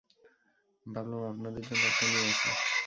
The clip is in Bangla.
ভাবলাম আপনাদের জন্য একটা নিয়ে আসি।